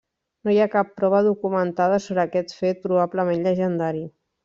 No hi ha cap prova documentada sobre aquest fet probablement llegendari.